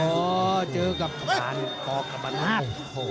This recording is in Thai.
ก็เจอกับท่านปกรบรรนาศ